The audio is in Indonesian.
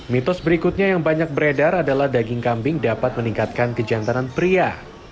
mitos berikutnya yang banyak beredar adalah daging kambing dapat meningkatkan kejantanan pria